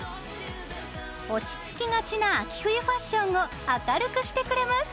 落ち着きがちな秋冬ファッションを明るくしてくれます！